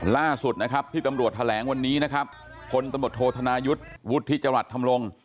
ล่าสุดนะครับที่ตำรวจแถลงวันนี้นะครับพลตำรวจโทษธนายุทธ์วุฒิจรัสธรรมรงค์